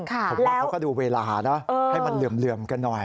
ผมว่าเขาก็ดูเวลานะให้มันเหลื่อมกันหน่อย